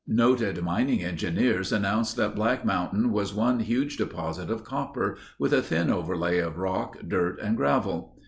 Noted mining engineers announced that Black Mountain was one huge deposit of copper with a thin overlay of rock, dirt, and gravel.